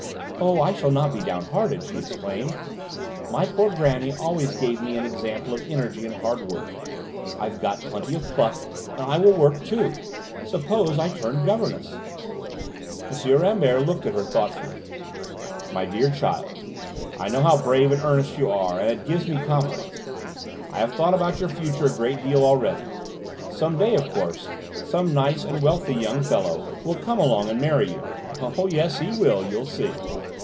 "Oh, I shall not be down hearted," she exclaimed. "My poor grannie always gave me an example of energy and hard work; I've got plenty of pluck, and I will work too. Suppose I turn governess?" M. Rambert looked at her thoughtfully. "My dear child, I know how brave and earnest you are, and that gives me confidence. I have thought about your future a great deal already. Some day, of course, some nice and wealthy young fellow will come along and marry you Oh, yes, he will: you'll see.